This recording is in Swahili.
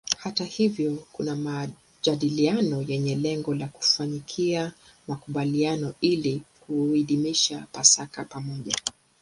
Hata hivyo kuna majadiliano yenye lengo la kufikia makubaliano ili kuadhimisha Pasaka pamoja.